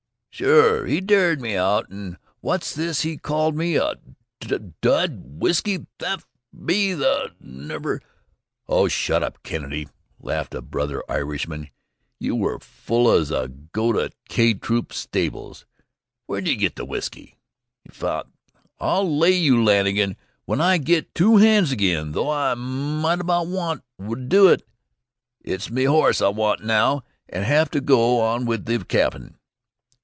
"Sure he dared me out, an' what's this he called me? a d d whiskey thafe! me that niver " "Oh, shut up, Kennedy," laughed a brother Irishman. "You were full as a goat at 'K' Troop's stables Where'd ye get the whiskey if " "I'll lay you, Lanigan, when I get two hands agin, though I misdoubt wan would do it. It's me horse I want now and lave to go on wid the capt'n.